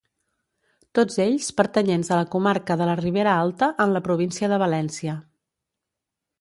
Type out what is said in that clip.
Tots ells pertanyents a la comarca de la Ribera Alta, en la província de València.